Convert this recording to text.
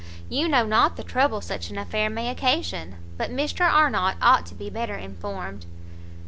You know not the trouble such an affair may occasion, but Mr Arnott ought to be better informed."